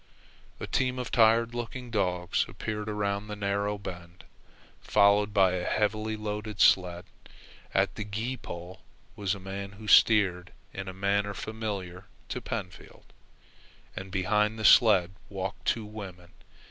A team of tired looking dogs appeared around the narrow bend, followed by a heavily loaded sled. At the gee pole was a man who steered in a manner familiar to Pentfield, and behind the sled walked two women.